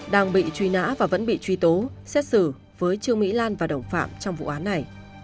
đang bị truy nã và vẫn bị truy tố xét xử với trương mỹ lan và đồng phạm trong vụ án này